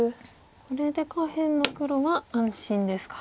これで下辺の黒は安心ですか。